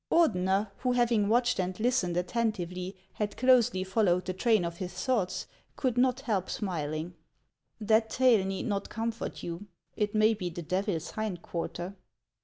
Ordeuer, who, having watched and listened attentively, had closely followed the train of his thoughts, could not help smiling. " That tail need not comfort you. It may be the Devil's hind quarter."